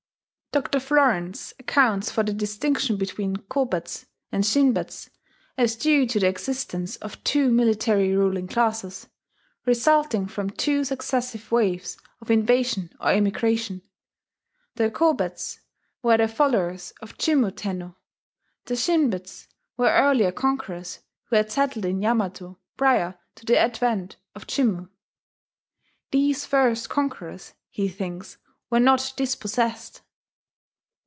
[*Dr. Florenz accounts for the distinction between Kobetsu and Shinbetsu as due to the existence of two military ruling classes, resulting from two successive waves of invasion or immigration. The Kobetsu were the followers of Jimmu Tenno; the Shinbetsu were earlier conquerors who had settled in Yamato prior to the advent of Jimmu. These first conquerors, he thinks, were not dispossessed.